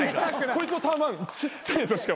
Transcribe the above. こいつのタワマンちっちゃいんですよ